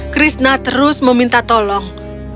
krishna terus meminta tolong